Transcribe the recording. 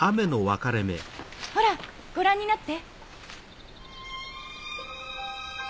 ほらご覧になって。